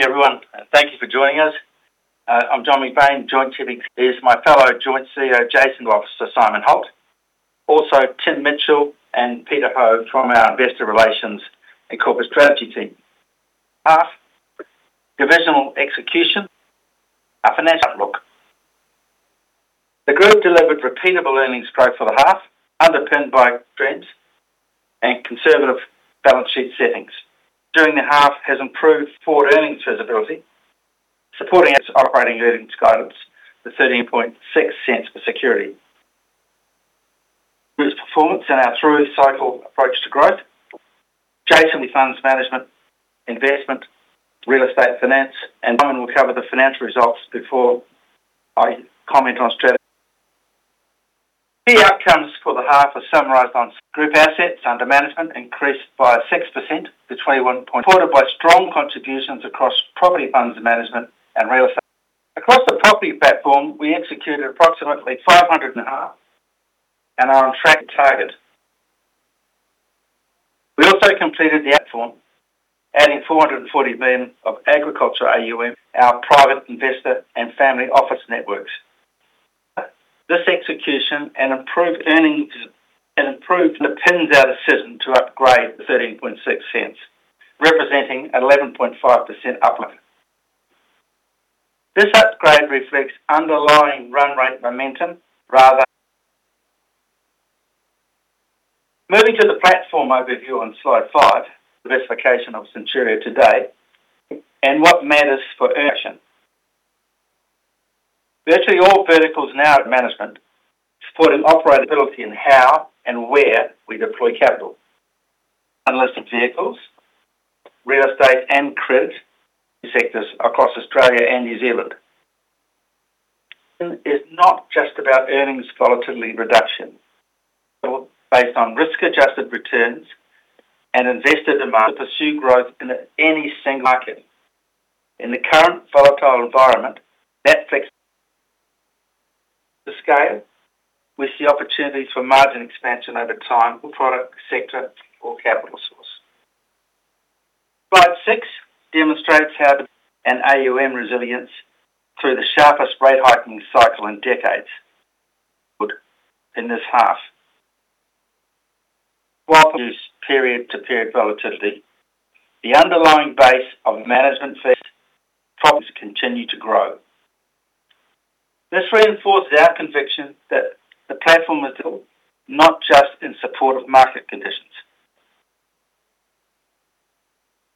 Good morning, everyone. Thank you for joining us. I'm John McBain, Joint CEO. Here's my fellow Joint CEO, Jason Huljich, Simon Holt, also Tim Mitchell and Peter Hove from our Investor Relations and Corporate Strategy team. Half divisional execution, our financial outlook. The group delivered repeatable earnings growth for the half, underpinned by trends and conservative balance sheet settings. During the half, has improved forward earnings visibility, supporting its operating earnings guidance to 0.136 per security. This performance and our through cycle approach to growth, Jason Funds Management, investment, real estate finance, and Simon will cover the financial results before I comment on strategy. The outcomes for the half are summarized on group assets under management, increased by 6% to 21 point, supported by strong contributions across property funds management and real estate. Across the property platform, we executed approximately 500.5 and are on track target. We also completed the platform, adding 440 million of Ag AUM, our private investor and family office networks. This execution and improved earnings and improved, depends our decision to upgrade to 0.136, representing 11.5% uplift. This upgrade reflects underlying run rate momentum. Moving to the platform overview on Slide 5, the diversification of Centuria today and what matters for action. Virtually all verticals now at management, supporting operability and how and where we deploy capital. Unlisted vehicles, real estate, and credit sectors across Australia and New Zealand. It's not just about earnings volatility reduction. Based on risk-adjusted returns and investor demand, to pursue growth in any single market. In the current volatile environment, that takes the scale with the opportunity for margin expansion over time for product, sector, or capital source. Slide 6 demonstrates how an AUM resilience through the sharpest rate hiking cycle in decades in this half. While this period-to-period volatility, the underlying base of management fees continue to grow. This reinforces our conviction that the platform is still not just in support of market conditions.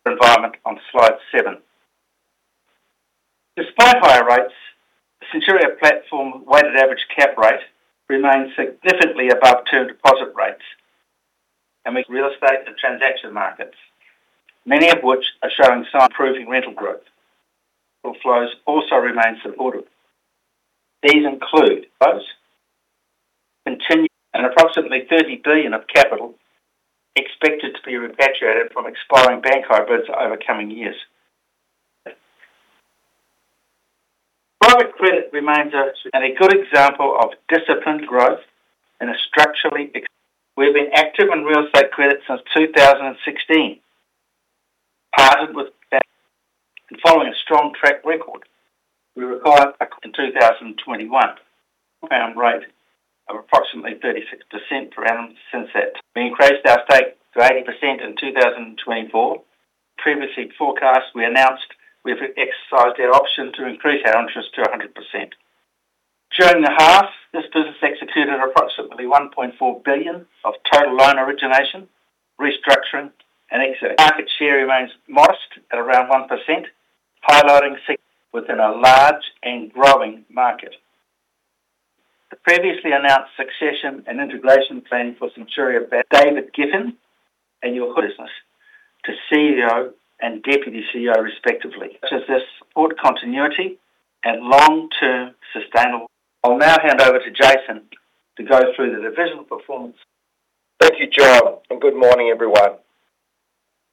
Environment on Slide 7. Despite higher rates, the Centuria platform weighted average cap rate remains significantly above term deposit rates, and with real estate and transaction markets, many of which are showing some improving rental growth, or flows also remain supportive. These include those continue, and approximately 30 billion of capital expected to be repatriated from expiring bank hybrids over coming years. Private credit remains a good example of disciplined growth and a structurally... We've been active in real estate credit since 2016. Partnered with, and following a strong track record, we required in 2021, around rate of approximately 36% per annum since that. We increased our stake to 80% in 2024. Previously forecast, we announced we have exercised our option to increase our interest to 100%. During the half, this business executed approximately 1.4 billion of total loan origination, restructuring, and exit. Market share remains modest at around 1%, highlighting within a large and growing market. The previously announced succession and integration plan for Centuria, David Giffin and your business to CEO and Deputy CEO, respectively. This support continuity and long-term sustainable. I'll now hand over to Jason to go through the divisional performance. Thank you, John. Good morning, everyone.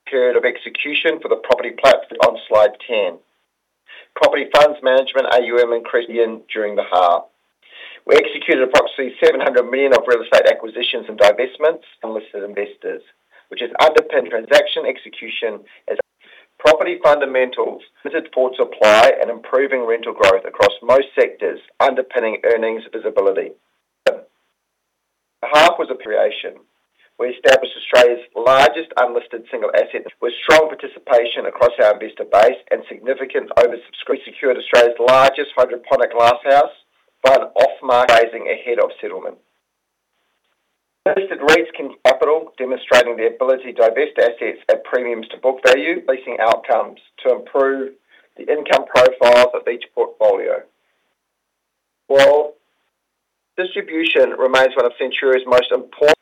Period of execution for the property platform on Slide 10. Property funds management, AUM, increased in during the half. We executed approximately 700 million of real estate acquisitions and divestments, and listed investors, which has underpinned transaction execution as property fundamentals, visited for supply, and improving rental growth across most sectors, underpinning earnings visibility. The half was a creation. We established Australia's largest unlisted single asset, with strong participation across our investor base and significant. We secured Australia's largest hydroponic glasshouse by an off-market raising ahead of settlement. Listed REITs capital, demonstrating the ability to divest assets at premiums to book value, leasing outcomes to improve the income profiles of each portfolio. Well, distribution remains one of Centuria's most important.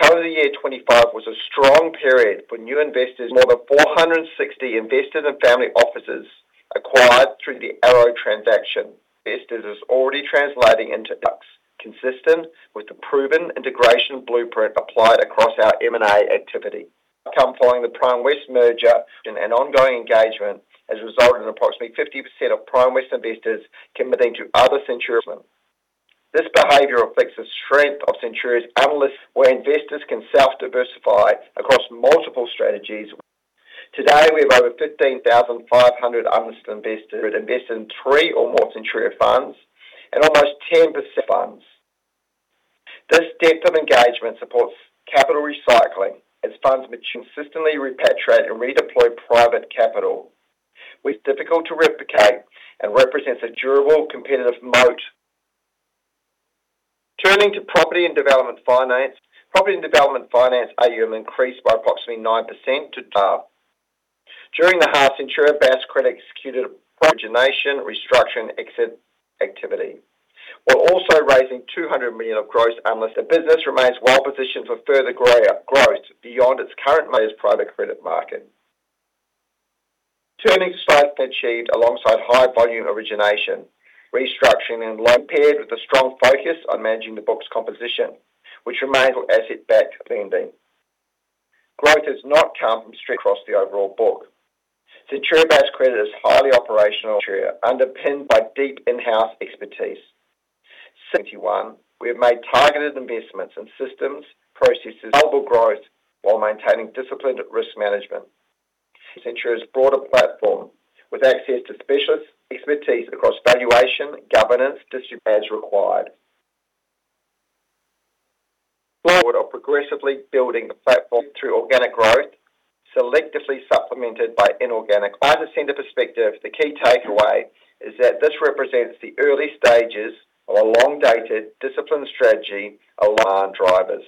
Calendar year 2025 was a strong period for new investors. More than 460 investors and family offices acquired through the Arrow transaction. Investors is already translating into consistent with the proven integration blueprint applied across our M&A activity. Following the Primewest merger and ongoing engagement has resulted in approximately 50% of Primewest investors committing to other. This behavior reflects the strength of Centuria's analyst, where investors can self-diversify across multiple strategies. Today, we have over 15,500 analyst investors that invest in three or more Centuria funds, and almost 10% funds. This depth of engagement supports capital recycling as funds may consistently repatriate and redeploy private capital, which is difficult to replicate and represents a durable competitive moat. Turning to property and development finance. Property and development finance AUM increased by approximately 9% to top. During the half, Centuria Bass Credit executed origination, restructuring, exit activity, while also raising 200 million of gross analyst. The business remains well-positioned for further growth beyond its current largest private credit market. Turning to state achieved alongside high volume origination, restructuring, and loan paired with a strong focus on managing the book's composition, which remains asset-backed lending. Growth has not come from straight across the overall book. Centuria Bass Credit is highly operational, Centuria, underpinned by deep in-house expertise. 61, we have made targeted investments in systems, processes, global growth, while maintaining disciplined risk management. Centuria's broader platform, with access to specialist expertise across valuation, governance, district, as required. Board are progressively building a platform through organic growth, selectively supplemented by inorganic. By the center perspective, the key takeaway is that this represents the early stages of a long-dated, disciplined strategy, aligned drivers.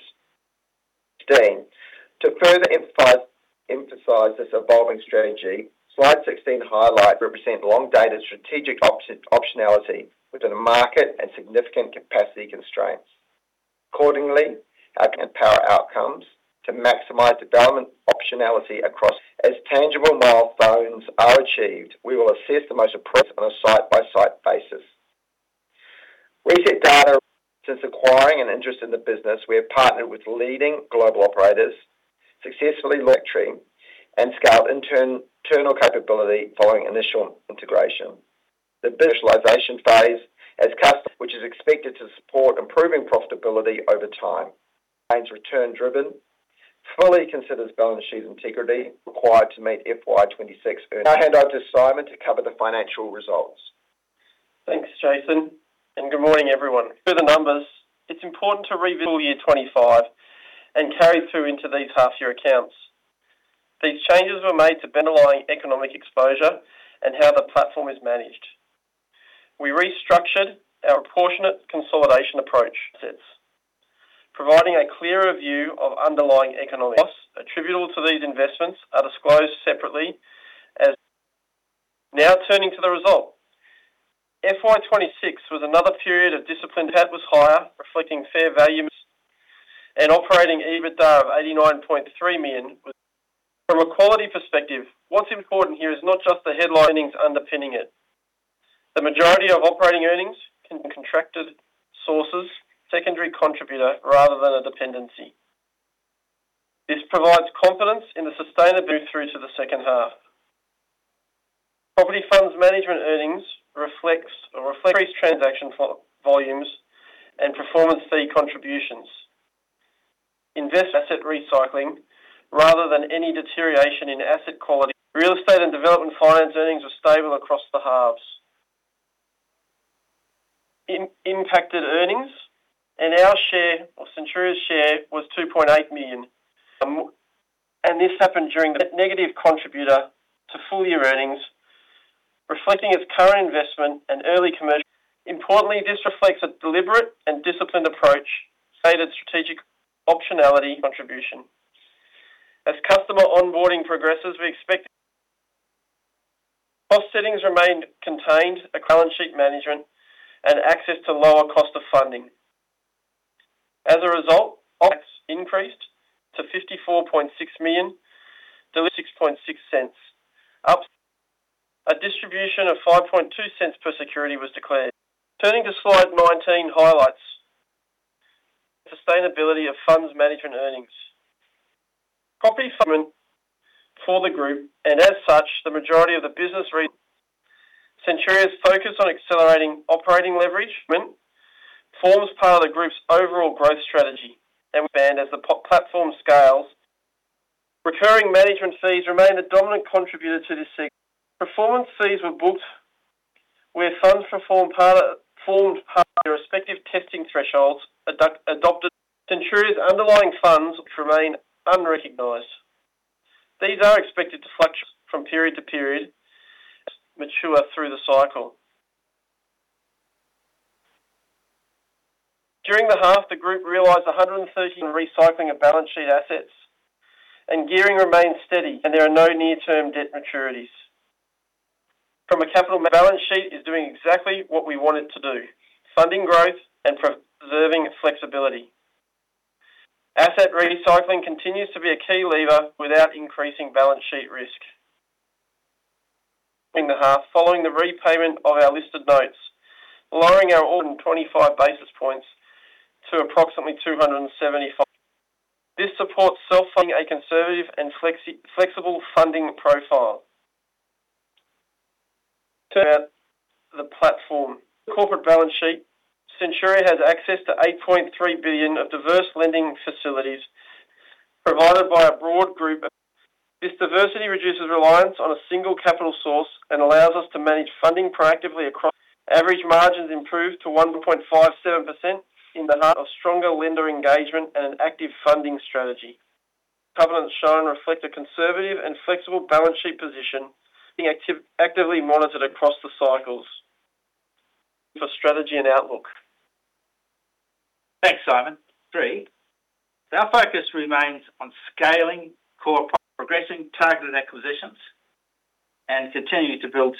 To further emphasize this evolving strategy, Slide 16 highlight represent long-dated strategic optionality within a market and significant capacity constraints. Accordingly, our power outcomes to maximize development optionality across. As tangible milestones are achieved, we will assess the most appropriate on a site-by-site basis. ResetData. Since acquiring an interest in the business, we have partnered with leading global operators, successfully lecturing and scaled internal capability following initial integration. The visualization phase as custom, which is expected to support improving profitability over time, remains return-driven, fully considers balance sheet integrity required to meet FY26 earnings. I now hand over to Simon to cover the financial results. Thanks, Jason. Good morning, everyone. For the numbers, it's important to review full year 25 and carry through into these half-year accounts. These changes were made to underlying economic exposure and how the platform is managed. We restructured our proportionate consolidation approach assets, providing a clearer view of underlying economics. Costs attributable to these investments are disclosed separately. Turning to the result, FY26 was another period. CAD was higher, reflecting fair value. Operating EBITDA of 89.3 million. From a quality perspective, what's important here is not just the headline earnings underpinning it. The majority of operating earnings from contracted sources, secondary contributor rather than a dependency. This provides confidence in the sustainable boost through to the second half. Property funds management earnings reflects increased transaction volumes and performance fee contributions. Investor asset recycling, rather than any deterioration in asset quality. Real estate and development finance earnings are stable across the halves. In impacted earnings, and our share, or Centuria's share, was 2.8 million. This happened during the negative contributor to full-year earnings, reflecting its current investment and early commercial. Importantly, this reflects a deliberate and disciplined approach, stated strategic optionality contribution. As customer onboarding progresses, we expect... Cost savings remained contained, a balance sheet management, and access to lower cost of funding. As a result, OPEX increased to 54.6 million, to 0.066. Up, a distribution of 0.052 per security was declared. Turning to Slide 19, highlights. Sustainability of funds management earnings. Copy fund for the group. As such, the majority of the business Centuria's focus on accelerating operating leveragement forms part of the group's overall growth strategy and as the platform scales. Recurring management fees remain the dominant contributor to this segment. Performance fees were booked where funds performed part of, formed part of their respective testing thresholds adopted. Centuria's underlying funds, which remain unrecognized. These are expected to fluctuate from period to period as mature through the cycle. During the half, the group realized 131 recycling of balance sheet assets, and gearing remains steady and there are no near-term debt maturities. From a capital balance sheet is doing exactly what we want it to do, funding growth and preserving its flexibility. Asset recycling continues to be a key lever without increasing balance sheet risk. In the half, following the repayment of our listed notes, lowering our ordin 25 basis points to approximately 275. This supports self-funding, a conservative and flexible funding profile. Turning out the platform. The corporate balance sheet, Centuria has access to 8.3 billion of diverse lending facilities provided by a broad group. This diversity reduces reliance on a single capital source and allows us to manage funding proactively across. Average margins improved to 1.57% in the heart of stronger lender engagement and an active funding strategy. Covenants shown reflect a conservative and flexible balance sheet position being actively monitored across the cycles. For strategy and outlook. Thanks, Simon. Three, our focus remains on scaling core, progressing targeted acquisitions, and continuing to build...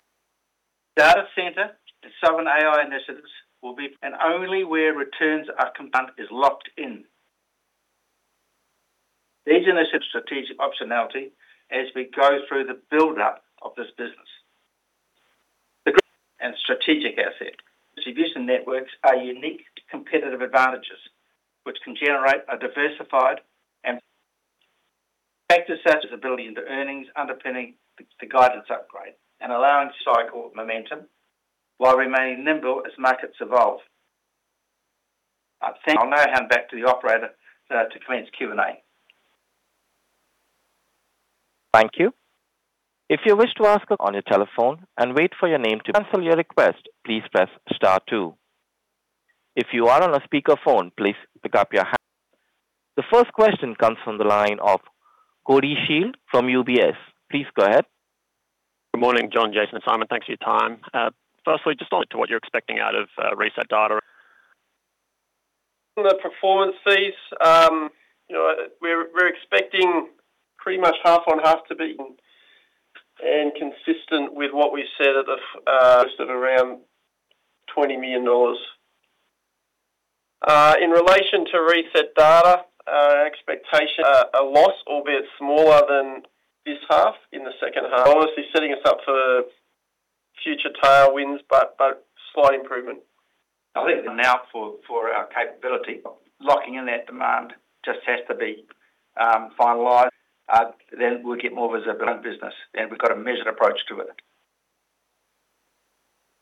Data center and sovereign AI initiatives will be, and only where returns are combined, is locked in. These initiatives have strategic optionality as we go through the build-up of this business. The and strategic asset distribution networks are unique competitive advantages, which can generate a diversified and factor such as ability into earnings, underpinning the guidance upgrade and allowing cycle momentum while remaining nimble as markets evolve. I'll now hand back to the operator to commence Q&A. Thank you. If you wish to ask on your telephone and wait for your name cancel your request, please press star two. If you are on a speakerphone, please pick up your hand. The first question comes from the line of Sholto Maconochie from UBS. Please go ahead. Good morning, John, Jason, and Simon. Thanks for your time. Firstly, just talk to what you're expecting out of ResetData. The performance fees, you know, we're expecting pretty much half on half to be and consistent with what we said at the list of around 20 million dollars. In relation to ResetData, expectation, a loss, albeit smaller than this half in the second half, obviously setting us up for future tailwinds, but slight improvement. I think now for our capability, locking in that demand just has to be finalized. We'll get more of as a business, and we've got a measured approach to it.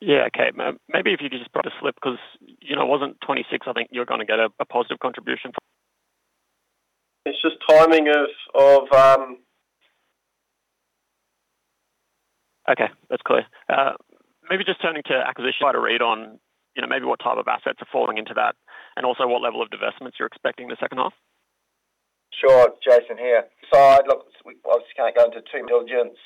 Yeah. Okay. Maybe if you just brought a slip because, you know, it wasn't 2026, I think you're gonna get a positive contribution. It's just timing of... Okay, that's clear. Maybe just turning to acquisition, try to read on, you know, maybe what type of assets are falling into that, and also what level of divestments you're expecting the second half? Sure. Jason here. Look, we obviously can't go into too much diligence.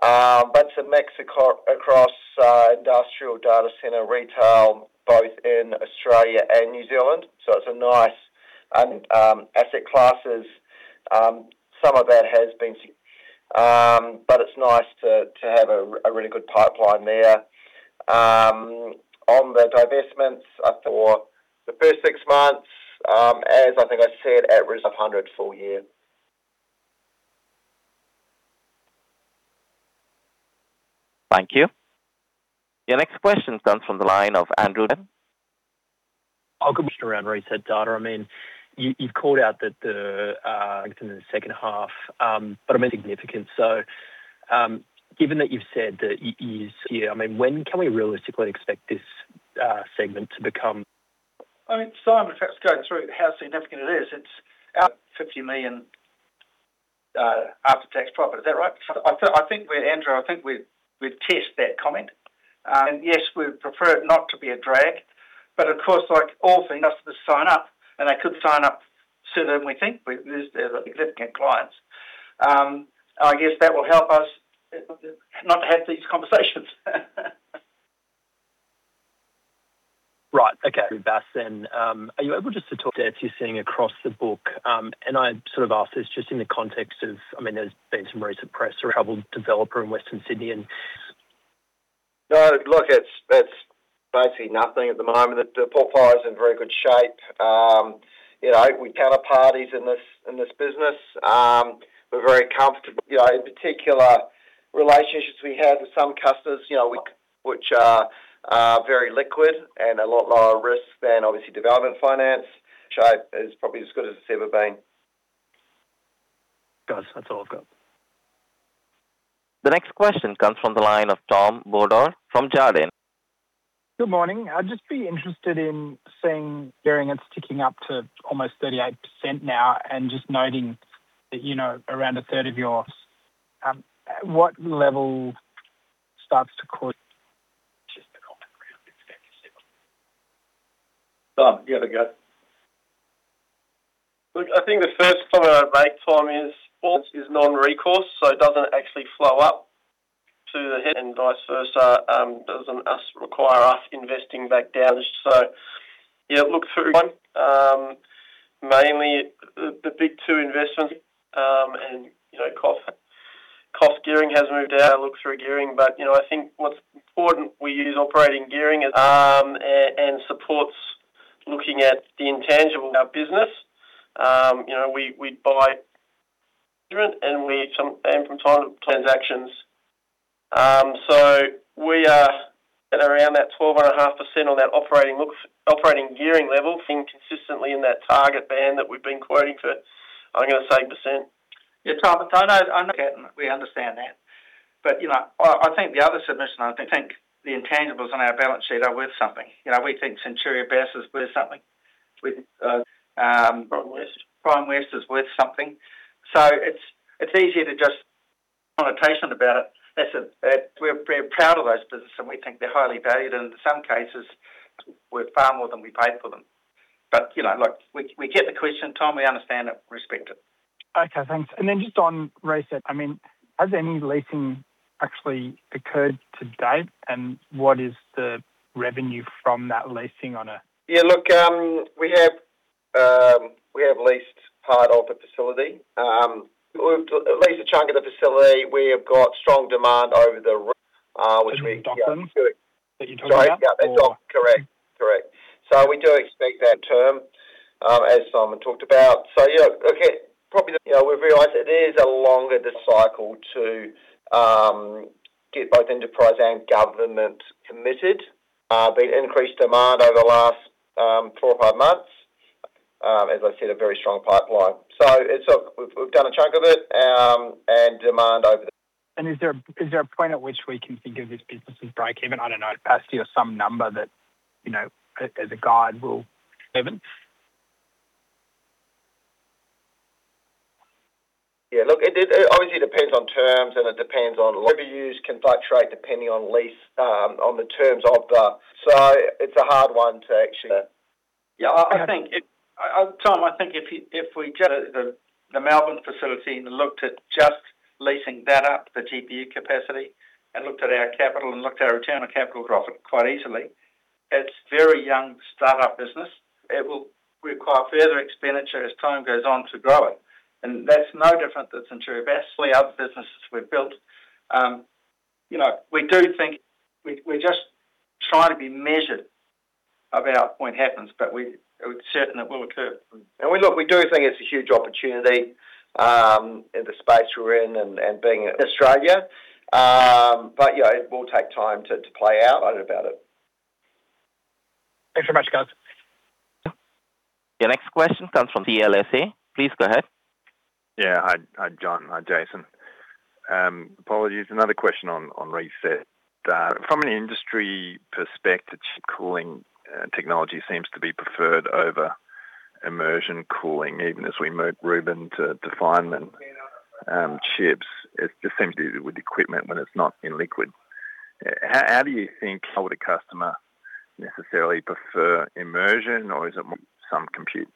To metro across industrial data center, retail, both in Australia and New Zealand. It's a nice asset classes. Some of that has been... It's nice to have a really good pipeline there. On the divestments for the first six months, as I think I said, at risk of 100 full year. Thank you. Your next question comes from the line of Andrew. Good. Around Reset Data, I mean, you've called out that the in the second half, I mean, significant. Given that you've said that years, yeah, I mean, when can we realistically expect this segment to become? I mean, Simon, in fact, go through how significant it is. It's our 50 million after-tax profit. Is that right? I think, Andrew, we've tested that comment. Yes, we prefer it not to be a drag, but of course, like all things, just to sign up, and they could sign up sooner than we think. We've lose the significant clients. I guess that will help us not to have these conversations. Right. Okay. Are you able just to talk, that you're seeing across the book? I sort of ask this just in the context of, I mean, there's been some recent press or troubled developer in Western Sydney, and... Look, it's basically nothing at the moment. The portfolio is in very good shape. You know, we counter parties in this, in this business. We're very comfortable, you know, in particular, relationships we have with some customers, you know, which are very liquid and a lot lower risk than obviously development finance. Shape is probably as good as it's ever been. Guys, that's all I've got. The next question comes from the line of Tom Bolder, from Jarden. Good morning. I'd just be interested in seeing gearing and ticking up to almost 38% now and just noting that, you know, around a third of your, what level starts to cause just the comment around this? Oh, you have a go. Look, I think the first time I rate time is non-recourse, so it doesn't actually flow up to the head and vice versa, doesn't require us investing back down. Yeah, look through one, mainly the big two investments, you know, cost gearing has moved out. I look through gearing, you know, I think what's important, we use operating gearing, and supports looking at the intangible of our business. You know, we buy different, from time to transactions around that 12.5% on that operating look, operating gearing level in consistently in that target band that we've been quoting for, I'm going to say, %. Yeah, Tom, I know, we understand that. You know, I think the other submission, I think the intangibles on our balance sheet are worth something. You know, we think Centuria Bass Credit is worth something. We think. Primewest. Primewest is worth something. It's easier to just connotation about it. That's a, we're proud of those business, and we think they're highly valued, and in some cases, worth far more than we paid for them. You know, look, we get the question, Tom, we understand it, respect it. Okay, thanks. Just on ResetData, I mean, has any leasing actually occurred to date, and what is the revenue from that leasing on a- Look, we have leased part of the facility. We've leased a chunk of the facility. We have got strong demand over the room, which we That you're talking about? Correct. We do expect that term, as Simon talked about. You know, okay, probably, you know, we've realized it is a longer the cycle to get both enterprise and government committed, the increased demand over the last 4 or 5 months. As I said, a very strong pipeline. It's, we've done a chunk of it, and demand over the- Is there, is there a point at which we can think of this business as break-even? I don't know, capacity or some number that, you know, as a guide, we'll have it. It obviously depends on terms, it depends on overuse can fluctuate depending on lease, on the terms of the... It's a hard one to actually- I think it, Tom Bolder, I think if we just the Melbourne facility and looked at just leasing that up, the GPU capacity, and looked at our capital and looked at our return on capital profit quite easily. It's very young startup business. It will require further expenditure as time goes on to grow it. That's no different than Centuria Bass Credit. Other businesses we've built, you know, we do think we're just trying to be measured about what point happens, we're certain it will occur. We look, we do think it's a huge opportunity in the space we're in and being in Australia. Yeah, it will take time to play out about it. Thanks very much, guys. Your next question comes from the CLSA. Please go ahead. Hi, John. Hi, Jason. Apologies. Another question on reset. From an industry perspective, cooling technology seems to be preferred over immersion cooling, even as we move Rubin to find them chips. It just seems to do with equipment when it's not in liquid. How do you think would a customer necessarily prefer immersion, or is it some compute?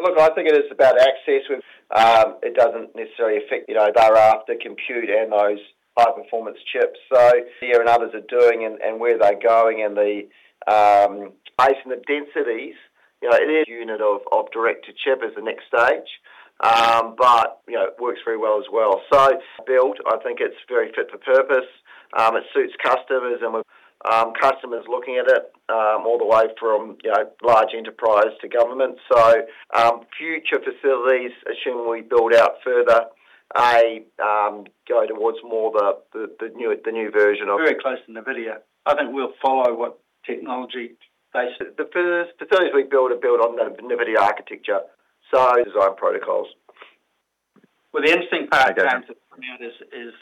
Look, I think it is about access with, it doesn't necessarily affect, you know, they're after compute and those high-performance chips. Here and others are doing and where they're going and the space and the densities, you know, it is unit of direct-to-chip as the next stage, but, you know, it works very well as well. Built, I think it's very fit for purpose. It suits customers, and we've customers looking at it, all the way from, you know, large enterprise to government. Future facilities, assuming we build out further, go towards more the new version of- Very close to Nvidia. I think we'll follow what technology they... The first facilities we build are built on the Nvidia architecture, so design protocols. Well, the interesting part, James, is,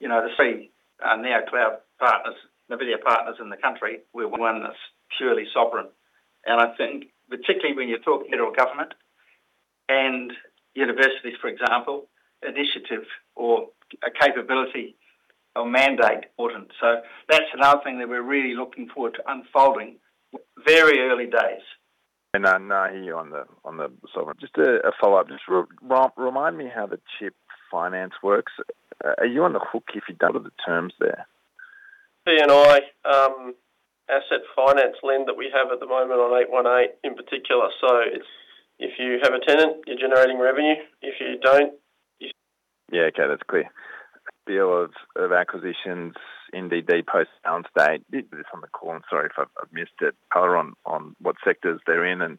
you know, to see NeoCloud partners, Nvidia partners in the country, we're one that's purely sovereign. I think particularly when you're talking to government and universities, for example, initiative or a capability or mandate important. That's another thing that we're really looking forward to unfolding, very early days. I hear you on the sovereign. Just a follow-up, remind me how the chip finance works. Are you on the hook if you double the terms there? C&I, asset finance lend that we have at the moment on 818 in particular. It's, if you have a tenant, you're generating revenue. If you don't. Yeah, okay, that's clear. Deal of acquisitions in the post-balance date. This on the call, I'm sorry if I've missed it. Color on what sectors they're in and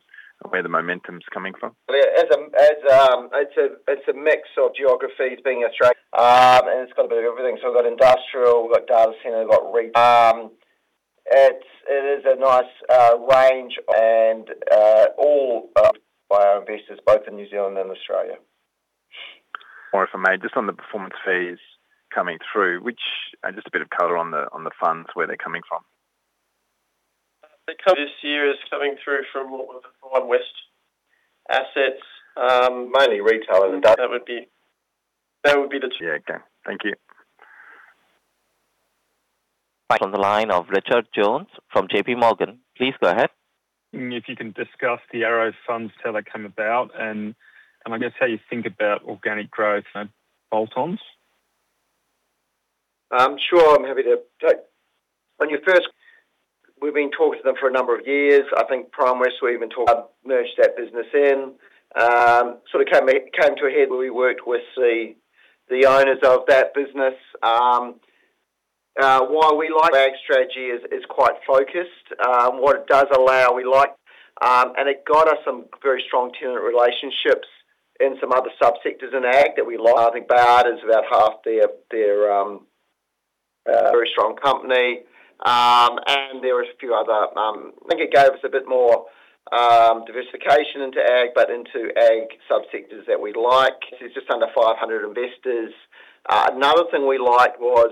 where the momentum is coming from? As a, it's a mix of geographies being Australia, and it's got a bit of everything. We've got industrial, we've got data center, we've got retail. It's, it is a nice range, all by our investors, both in New Zealand and Australia. More if I may, just on the performance fees coming through, which, and just a bit of color on the funds, where they're coming from. The color this year is coming through from more of the Primewest assets. Mainly retail and that. That would be the two. Yeah, okay. Thank you. Back on the line of Richard Jones from JPMorgan. Please go ahead. If you can discuss the Arrow funds, how they come about, and I guess how you think about organic growth and bolt-ons. Sure, I'm happy to take. On your first, we've been talking to them for a number of years. I think Primewest, we even talked, merge that business in. It came to a head where we worked with the owners of that business. While we like our strategy is quite focused, what it does allow us we like, and it got us some very strong tenant relationships. Some other subsectors in Ag that we like. I think Bad is about half their very strong company. There are a few other. I think it gave us a bit more diversification into Ag, but into Ag subsectors that we like. It's just under 500 investors. Another thing we liked was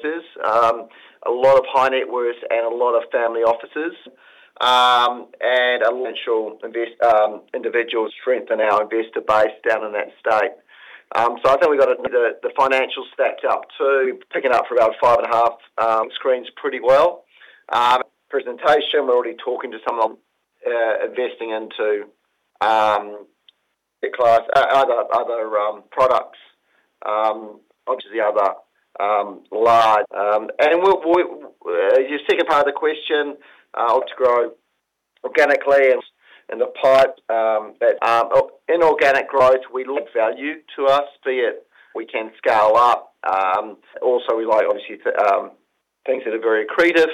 a lot of high net worth and a lot of family offices, and a potential individual strength in our investor base down in that state. I think we got the financials stacked up, too, picking up for about 5.5, screens pretty well. Presentation, we're already talking to some of them, investing into the class, other products, obviously, other. We, your second part of the question, to grow organically and the pipe, that inorganic growth, we look value to us, be it we can scale up. Also, we like, obviously, to things that are very accretive.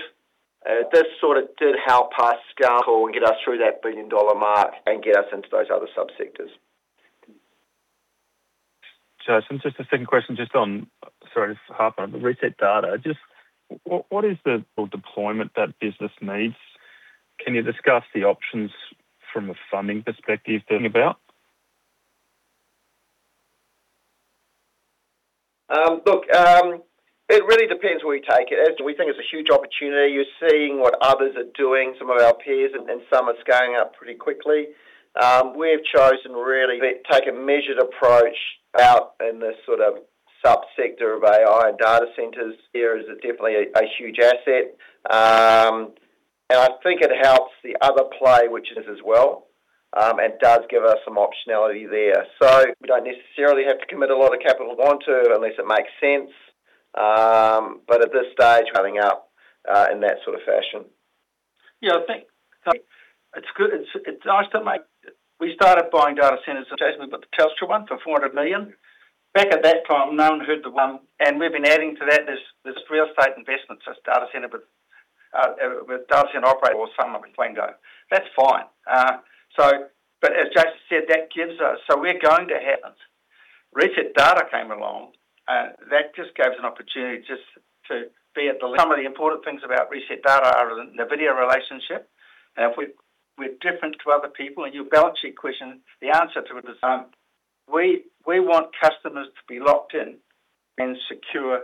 This sort of did help us scale and get us through that billion-dollar mark and get us into those other subsectors. Jason, just a second question, just half on the ResetData. What is the deployment that business needs? Can you discuss the options from a funding perspective then about? Look, it really depends where you take it. We think it's a huge opportunity. You're seeing what others are doing, some of our peers, and some are scaling up pretty quickly. We've chosen really to take a measured approach out in this sort of subsector of AI and data centers. There is definitely a huge asset. I think it helps the other play, which is as well, and does give us some optionality there. We don't necessarily have to commit a lot of capital want to, unless it makes sense, but at this stage, coming up in that sort of fashion. Yeah, I think it's good. It's nice to make. We started buying data centers, Jason, we've got the Telstra one for 400 million. Back at that time, no one heard the one, and we've been adding to that. There's real estate investments, just data center, but with data center operator or some of it when go. That's fine. But as Jason said, that gives us. We're going to have. ResetData came along, that just gives an opportunity just to be at the. Some of the important things about ResetData are the Nvidia relationship. If we're different to other people, and you balance your question, the answer to it is, we want customers to be locked in and secure,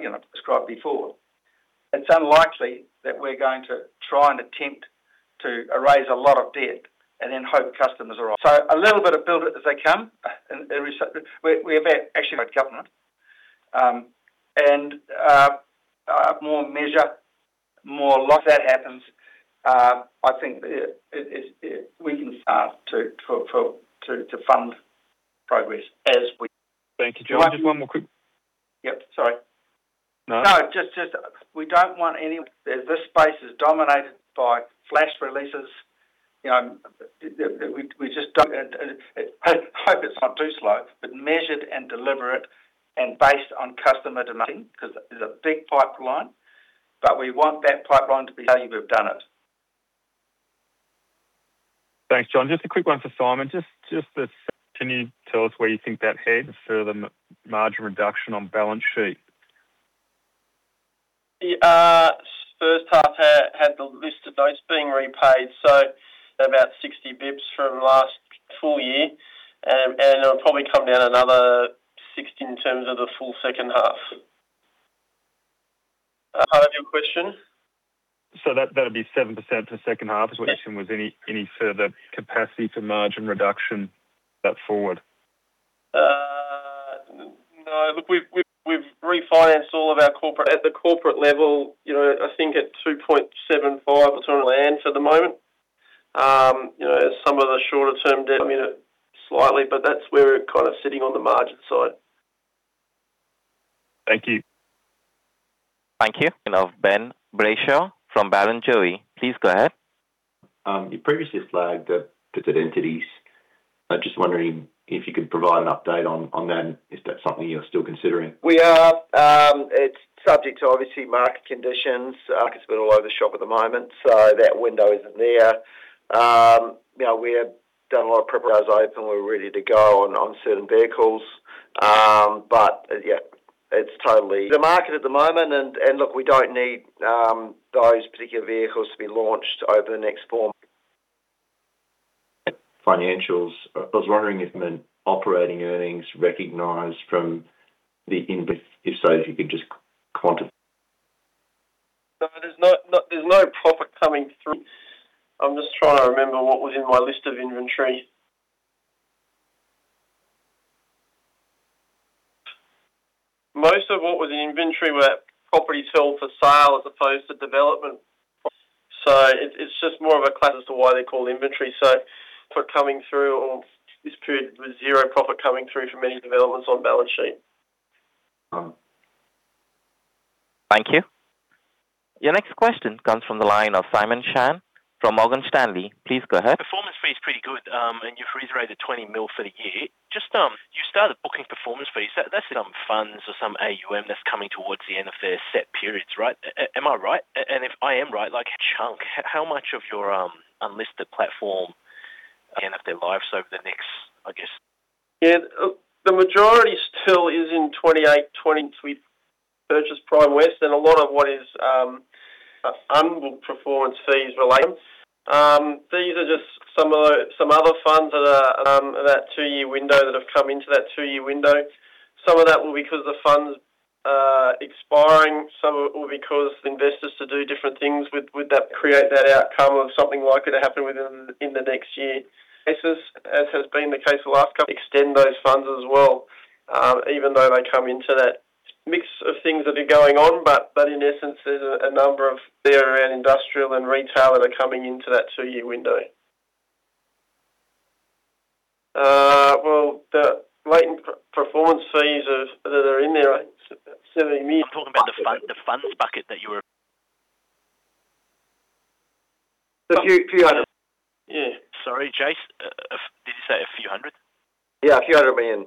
you know, described before. It's unlikely that we're going to try and attempt to erase a lot of debt and then hope customers are on. A little bit of build it as they come, and we're about actually good government, and more measure, more or less that happens. I think, it, we can start to fund progress as. Thank you, John. Just one more quick. Yep, sorry. No. Just we don't want any... This space is dominated by flash releases, you know, we just don't. I hope it's not too slow, but measured and deliberate and based on customer demanding because there's a big pipeline, but we want that pipeline to be saying we've done it. Thanks, John. Just a quick one for Simon. Just, can you tell us where you think that heads for the margin reduction on balance sheet? First half had the list of those being repaid, so about 60 bits from last full year. It'll probably come down another 60 in terms of the full second half. Part of your question? That'll be 7% for the second half, as well as any further capacity for margin reduction that forward. No, look, we've refinanced all of our corporate. At the corporate level, you know, I think at 2.75% or ton of land for the moment, you know, as some of the shorter-term debt, I mean, it slightly, but that's where we're kind of sitting on the margin side. Thank you. Thank you. Ben Brayshaw from Barrenjoey, please go ahead. You previously flagged that put entities. I'm just wondering if you could provide an update on that. Is that something you're still considering? We are. It's subject to obviously market conditions. Market's been all over the shop at the moment. That window isn't there. You know, we have done a lot of preparation. We're ready to go on certain vehicles. Yeah, it's totally the market at the moment. Look, we don't need, those particular vehicles to be launched over the next four- Financials. I was wondering if the operating earnings recognized from the? If so, if you could just quantity? No, there's no profit coming through. I'm just trying to remember what was in my list of inventory. Most of what was in inventory were properties held for sale as opposed to development. It's just more of a class as to why they're called inventory. Coming through on this period with zero profit coming through from any developments on balance sheet. Thank you. Your next question comes from the line of Simon Chan from Morgan Stanley. Please go ahead. Performance fee is pretty good, and you've raised around 20 million for the year. Just, you started booking performance fees. That's some funds or some AUM that's coming towards the end of their set periods, right? Am I right? If I am right, like, chunk, how much of your unlisted platform end of their lives over the next, I guess. Yeah, the majority still is in 28, 20 we purchased Primewest, a lot of what is unbooked performance fees relate. These are just some of the, some other funds that are that two-year window that have come into that two-year window. Some of that will be because the funds expiring, some of it will be because investors to do different things would that create that outcome of something likely to happen within, in the next year. This is, as has been the case the last couple, extend those funds as well, even though they come into that mix of things that are going on, in essence, there's a number of there around industrial and retail that are coming into that two-year window. Well, the latent performance fees are, that are in there, 70 million. I'm talking about the fund, the funds bucket that you. The few 100. Yeah. Sorry, Jason. Did you say a few hundred? Yeah, AUD a few hundred million.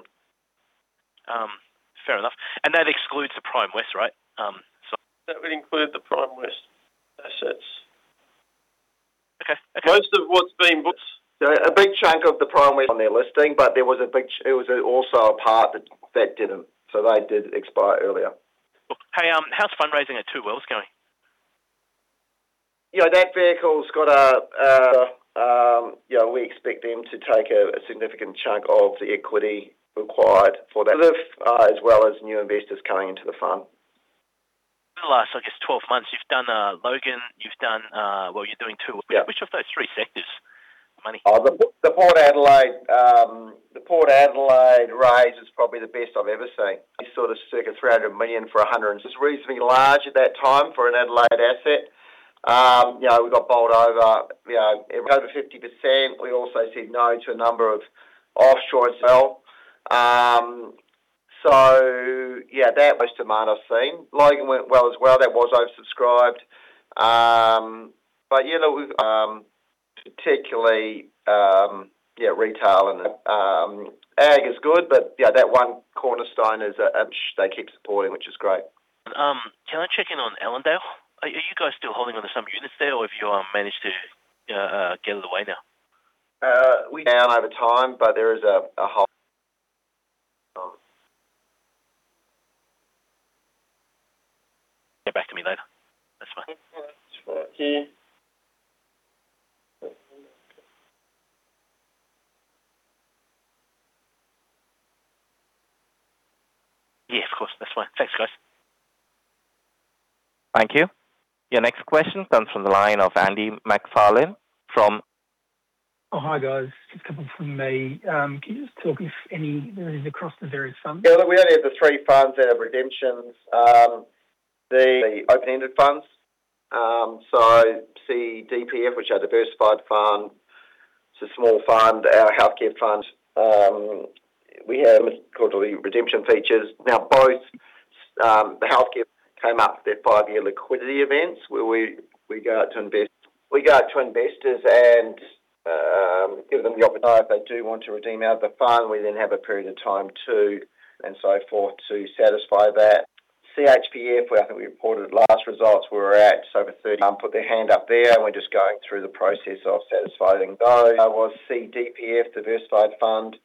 Fair enough. That excludes the Primewest, right? That would include the Primewest assets. Okay. Most of what's been booked, a big chunk of the Primewest on their listing, but there was also a part that didn't. They did expire earlier. Hey, how's fundraising at Two Wells going? You know, that vehicle's got a, you know, we expect them to take a significant chunk of the equity required for that, as well as new investors coming into the fund. The last, I guess, 12 months, you've done, Logan, you've done, well, you're doing 2. Yeah. Which of those three sectors? Money. The Port Adelaide raise is probably the best I've ever seen. I saw the circuit 300 million for 100, and just reasonably large at that time for an Adelaide asset. You know, we got bowled over, you know, over 50%. We also said no to a number of offshore as well. Yeah, that was demand I've seen. Logan went well as well. That was oversubscribed. Yeah, we've, particularly, retail and Ag is good, but yeah, that one cornerstone is, they keep supporting, which is great. Can I check in on Allendale? Are you guys still holding on to some units there, or have you managed to get it away now? We down over time, but there is a half. Get back to me later. That's fine. That's right. Yeah. Yes, of course. That's fine. Thanks, guys. Thank you. Your next question comes from the line of Andy McFarlane from... Hi, guys. Just a couple from me. Can you just talk if any, across the various funds? Look, we only have the three funds out of redemptions. The open-ended funds, so CDPF, which are diversified fund, it's a small fund, our healthcare fund, we have quarterly redemption features. Both, the healthcare came up their five-year liquidity events, where we go out to investors and give them the opportunity if they do want to redeem out of the fund, we then have a period of time to, and so forth, to satisfy that. CHPF, where I think we reported last results, we're at just over 30, put their hand up there, and we're just going through the process of satisfying those. I was CDPF, Diversified Fund,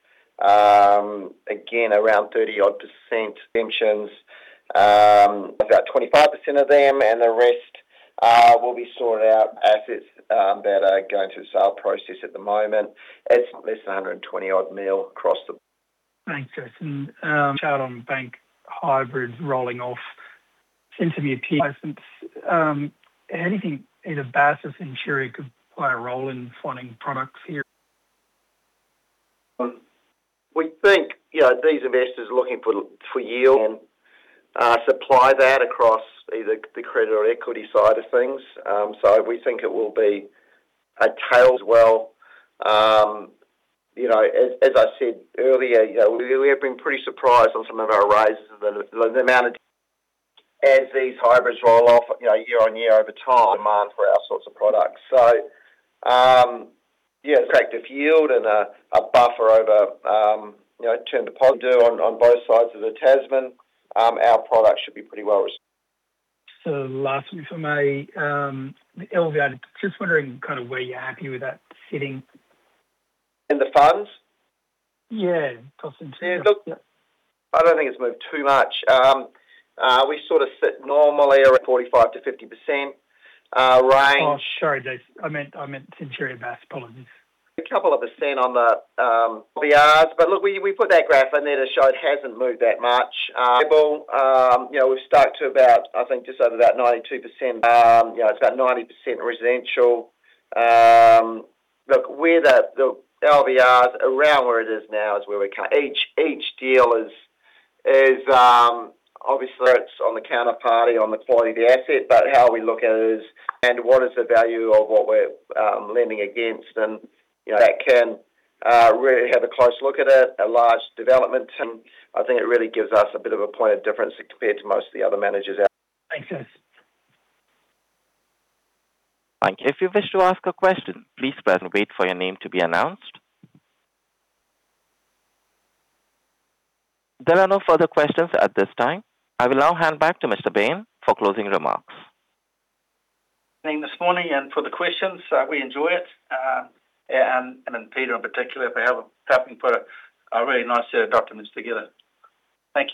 again, around 30 odd % redemptions, about 25% of them, and the rest will be sorted out as it's that are going through the sale process at the moment. It's less than 120 odd mil across the- Thanks, Jason. Chad on bank hybrid rolling off since the IPO. Anything in a Bass or Centuria could play a role in funding products here? We think, you know, these investors are looking for yield and supply that across either the credit or equity side of things. We think it will be a tail as well. You know, as I said earlier, you know, we have been pretty surprised on some of our raises, the amount of as these hybrids roll off, you know, year-on-year, over time, demand for our sorts of products. Yeah, effective yield and a buffer over, you know, turn to po- do on both sides of the Tasman, our product should be pretty well received. Lastly from a, the LVR, just wondering kind of where you're happy with that sitting? In the funds? Yeah, cost and. Yeah, look, I don't think it's moved too much. We sort of sit normally around 45%-50% range. Oh, sorry, Jase. I meant Centuria Bass Credit. Apologies. A couple of % on the Rs. Look, we put that graph in there to show it hasn't moved that much. You know, we've stuck to about, I think, just over about 92%. You know, it's about 90% residential. Look, where the LVRs around where it is now is where we can. Each deal is obviously, it's on the counterparty, on the quality of the asset, but how we look at it is and what is the value of what we're, lending against, and, you know, that can really have a close look at it, a large development, and I think it really gives us a bit of a point of difference compared to most of the other managers out. Thanks, Jason. Thank you. If you wish to ask a question, please press and wait for your name to be announced. There are no further questions at this time. I will now hand back to Mr. Bain for closing remarks. This morning, for the questions, we enjoy it. Peter in particular, if I have a tapping for a really nice document together. Thank you.